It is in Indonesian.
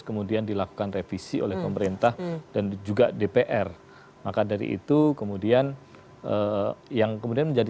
kemudian dilakukan revisi oleh pemerintah dan juga dpr maka dari itu kemudian yang kemudian menjadi